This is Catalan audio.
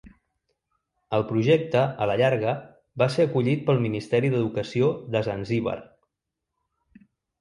El projecte, a la llarga, va ser acollit pel Ministeri d'educació de Zanzíbar.